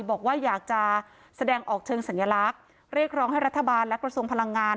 บอกว่าอยากจะแสดงออกเชิงสัญลักษณ์เรียกร้องให้รัฐบาลและกระทรวงพลังงาน